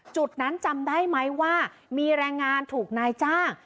จุดนั้นจำได้ไหมว่ามีแรงงานถูกนายจ้าง